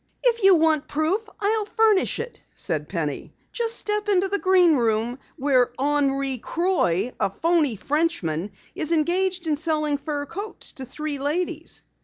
"If you want proof, I'll furnish it," said Penny. "Just step into the Green Room where Henri Croix, a phony Frenchman, is engaged in selling fur coats to three ladies."